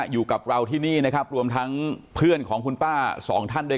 อยู่กับเราที่นี่นะครับรวมทั้งเพื่อนของคุณป้าสองท่านด้วย